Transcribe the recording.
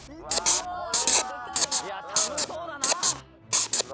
いや寒そうだな。